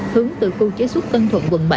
hướng từ khu chế xuất tân thuận quận bảy